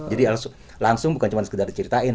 jadi langsung bukan cuman sekedar diceritain